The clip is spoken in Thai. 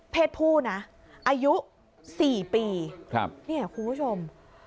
เพศผู้นะอายุ๔ปีคุณผู้ชม